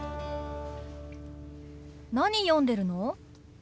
何読んでるの？